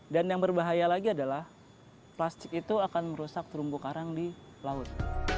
dan yang berbahaya lagi adalah plastik itu akan merusak terumbu karang di laut